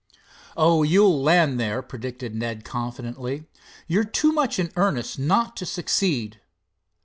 "Oh, you'll land there," predicted Ned confidently. "You're too much in earnest not to succeed.